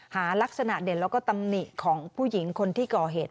ลักษณะเด่นแล้วก็ตำหนิของผู้หญิงคนที่ก่อเหตุ